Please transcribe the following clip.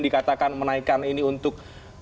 dikatakan menaikkan ini untuk